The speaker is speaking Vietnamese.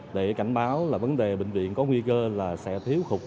để cảnh báo là vấn đề bệnh viện có nguy cơ là sẽ thiếu hụt